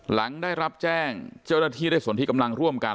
หลังได้รับแจ้งเจ้าหน้าที่ได้ส่วนที่กำลังร่วมกัน